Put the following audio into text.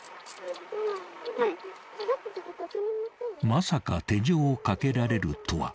［まさか手錠をかけられるとは。